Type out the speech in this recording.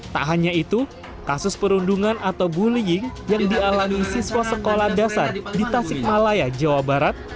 tak hanya itu kasus perundungan atau bullying yang dialami siswa sekolah dasar di tasik malaya jawa barat